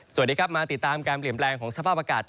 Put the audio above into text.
สวัสดีครับมาติดตามการเปลี่ยนแปลงของสภาพอากาศ